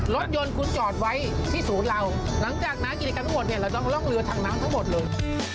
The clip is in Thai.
รถยนต์คุณจอดไว้ที่ศูนย์เราหลังจากนั้นกิจกรรมทั้งหมดเนี่ยเราต้องล่องเรือทางน้ำทั้งหมดเลย